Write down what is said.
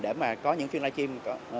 để mà có những phiên live stream